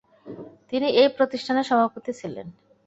তিনি এই প্রতিষ্ঠানের সভাপতি ছিলেন।